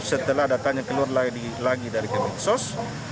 setelah datanya keluar lagi dari kementerian sos